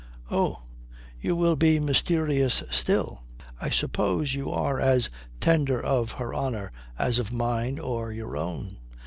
"Oh, you will be mysterious still. I suppose you are as tender of her honour as of mine or your own.